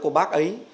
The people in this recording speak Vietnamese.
của bác ấy